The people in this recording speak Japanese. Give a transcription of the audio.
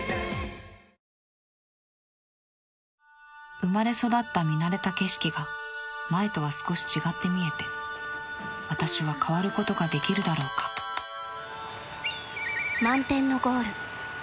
生まれ育った見慣れた景色が前とは少し違って見えて私は変わることができるだろうか「満天のゴール」。